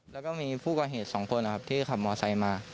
แล้วก็มีผู้ก่อเหตุ๒คนนะครับที่ขับมอไซค์มา